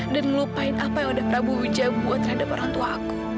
dan ngelupain apa yang ada prabu wijaya buat terhadap orangtuaku